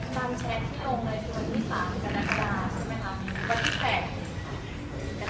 มันแชร์ที่ตรงในตัวนี้ค่ะกระดาษกระดาษใช่ไหมครับแล้วที่แขก